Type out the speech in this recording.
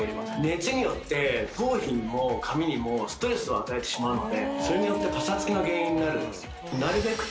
熱によって頭皮にも髪にもストレスを与えてしまうのでそれによってパサつきの原因になるんですなるべく